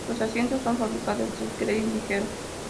Los asientos son fabricados de kevlar ligero.